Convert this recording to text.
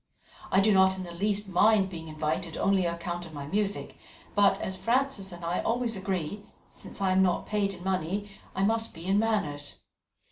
I do not in the least mind being invited only on account of my music, but, as Frances and I always agree, since I am not paid in money, I must be in manners.